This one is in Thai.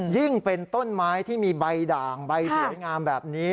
ยิ่งเป็นต้นไม้ที่มีใบด่างใบสวยงามแบบนี้